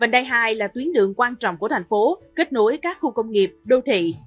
đây là tuyến đường quan trọng của thành phố kết nối các khu công nghiệp đô thị